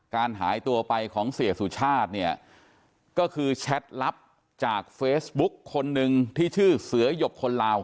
การหายตัวไปของเสียสุชาติเนี่ยก็คือแชทลับจากเฟซบุ๊คคนหนึ่งที่ชื่อเสือหยบคนลาว